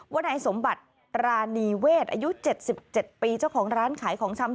ว่านายสมบัติรานีเวทอายุ๗๗ปีเจ้าของร้านขายของชำ